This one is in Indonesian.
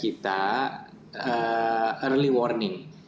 kita akan melakukan early warning